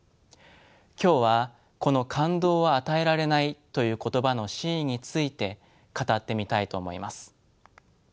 今日はこの「感動は与えられない」という言葉の真意について語ってみたいと思います。